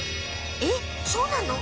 えっそうなの？